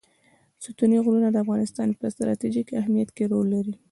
ستوني غرونه د افغانستان په ستراتیژیک اهمیت کې رول لري.